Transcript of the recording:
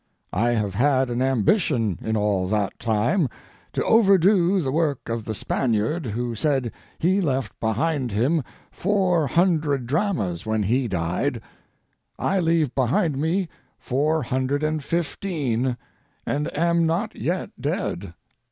I have had an ambition in all that time to overdo the work of the Spaniard who said he left behind him four hundred dramas when he died. I leave behind me four hundred and fifteen, and am not yet dead.